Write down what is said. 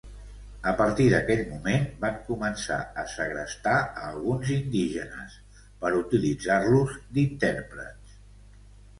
A partir d'aquell moment van començar a segrestar a alguns indígenes, per utilitzar-los d'intèrprets.